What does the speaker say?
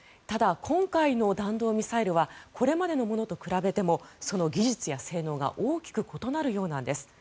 ただ、今回の弾道ミサイルはこれまでのものと比べてもその技術や性能が大きく異なるようなんです。